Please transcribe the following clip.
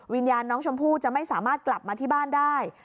วิญญาณน้องชมพู่จะไม่สามารถกลับมาที่บ้านได้